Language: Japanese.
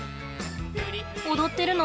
踊ってるの？